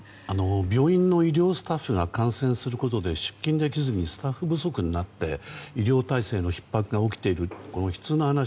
病院の医療スタッフが感染することで出勤できずにスタッフ不足になって医療体制のひっ迫が起きているという悲痛な話